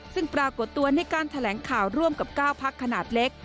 ซึ่งปรากฏตัวในการแถลงข่าวร่วมกับ๙พักขนาดเล็ก